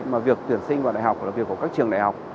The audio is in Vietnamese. mà việc tuyển sinh vào đại học là việc của các trường đại học